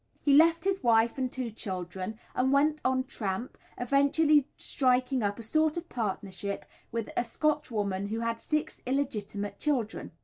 He left his wife and two children and went on tramp, eventually striking up a sort of partnership with a Scotch woman who had six illegitimate children.